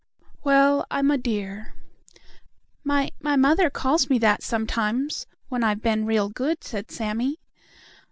"Well, I'm a deer." "My my mother calls me that, sometimes, when I've been real good," said Sammie.